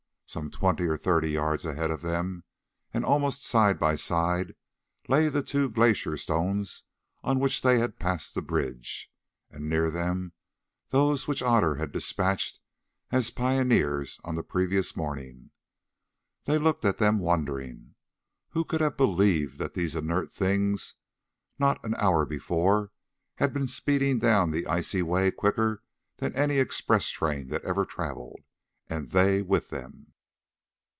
Some twenty or thirty yards ahead of them, and almost side by side, lay the two glacier stones on which they had passed the bridge, and near them those which Otter had despatched as pioneers on the previous morning. They looked at them wondering. Who could have believed that these inert things, not an hour before, had been speeding down the icy way quicker than any express train that ever travelled, and they with them?